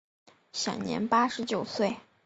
享年八十九岁。